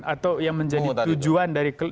atau yang menjadi tujuan dari